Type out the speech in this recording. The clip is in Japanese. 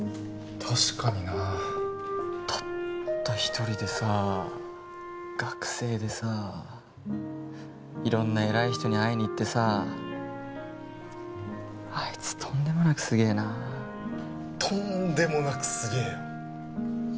確かになたった一人でさ学生でさ色んな偉い人に会いに行ってさあいつとんでもなくすげえなとんでもなくすげえよ